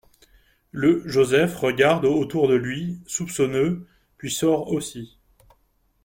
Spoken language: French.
Le Joseph regarde autour de lui, soupçonneux, puis sort aussi.